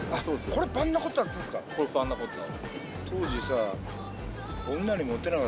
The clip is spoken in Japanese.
これパンナコッタ。